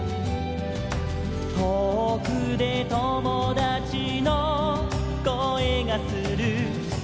「とおくで友だちの声がする」